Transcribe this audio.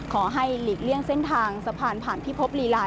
หลีกเลี่ยงเส้นทางสะพานผ่านพิภพลีลา